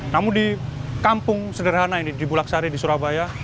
namun di kampung sederhana ini di bulaksari di surabaya